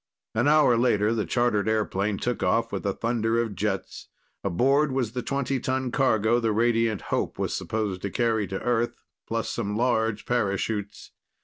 An hour later, the chartered airplane took off with a thunder of jets. Aboard was the 20 ton cargo the Radiant Hope was supposed to carry to Earth, plus some large parachutes.